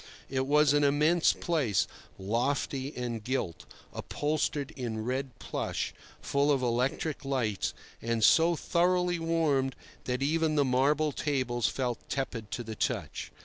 It was an immense place, lofty and gilt, upholstered in red plush, full of electric lights and so thoroughly warmed that even the marble tables felt tepid to the touch.